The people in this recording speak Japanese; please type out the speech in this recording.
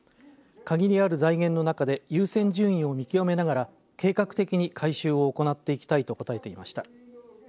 限りある財源の中で優先順位を見極めながら計画的に改修を行っていきたいと答えていました。